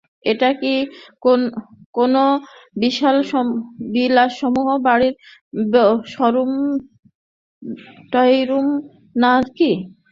এটা কি কোনো বিলাসবহুল গাড়ির শোরুম-টরুম না-কি?